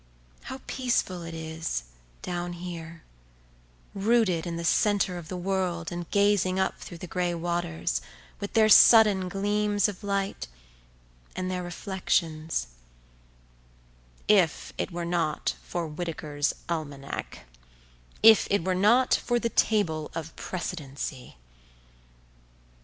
… How peaceful it is drown here, rooted in the centre of the world and gazing up through the grey waters, with their sudden gleams of light, and their reflections—if it were not for Whitaker's Almanack—if it were not for the Table of Precedency!